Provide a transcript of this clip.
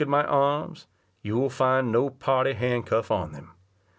Look at my arms, you will find no party hand cuff on them!